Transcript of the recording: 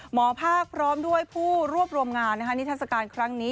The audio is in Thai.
หมอภาคพร้อมด้วยผู้รวบรวมงานนิทัศกาลครั้งนี้